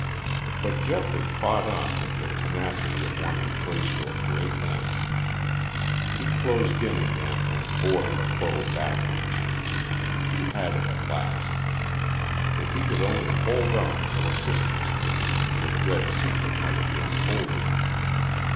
But Geoffrey fought on with the tenacity of one who plays for a great end. He closed in again and bore the foe backwards. He had him at last. If he could only hold on till assistance came, the dread secret might be unfolded.